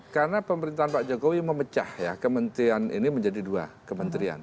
karena pemerintahan pak jokowi memecah ya kementerian ini menjadi dua kementerian